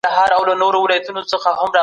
باور لرم که په حوصله